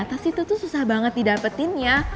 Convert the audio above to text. tas itu tuh susah banget didapetinnya